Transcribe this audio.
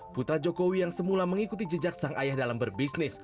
putra jokowi yang semula mengikuti jejak sang ayah dalam berbisnis